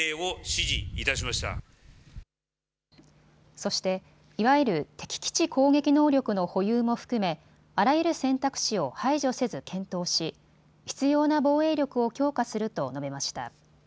そして、いわゆる敵基地攻撃能力の保有も含めあらゆる選択肢を排除せず検討し、必要な防衛力を強化すると述べました。